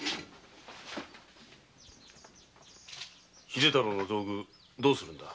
秀太郎の道具をどうするのだ？